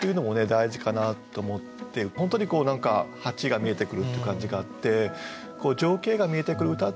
大事かなと思って本当に何か蜂が見えてくるっていう感じがあって情景が見えてくる歌っていうのもね